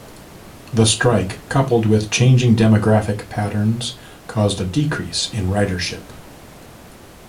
The strike, coupled with changing demographic patterns, caused a decrease in ridership.